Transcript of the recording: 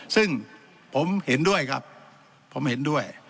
ซึ่งผมเห็นด้วยครับผมเห็นด้วย